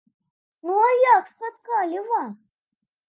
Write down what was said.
Ну, а як спаткалі вас?